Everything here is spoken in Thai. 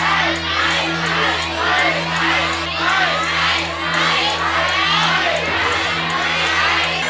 ไม่ใช้